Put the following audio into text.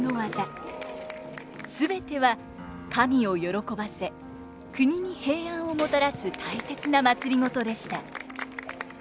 全ては神を喜ばせ国に平安をもたらす大切なまつりごとでした。